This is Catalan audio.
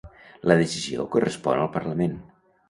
La decisió correspon al Parlament.